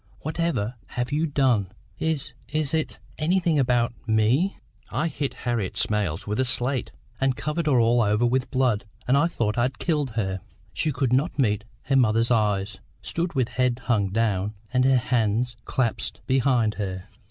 what ever have you done? Is is it anything about me." "I hit Harriet Smales with a slate, and covered her all over with blood, and I thought I'd killed her." She could not meet her mother's eyes; stood with head hung down, and her hands clasped behind her.